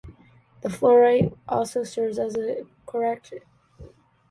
The fluorite also serves to correct optical aberrations in these lenses.